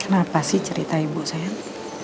kenapa sih cerita ibu saya